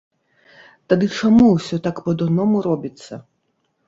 Тады чаму ўсё так па-дурному робіцца?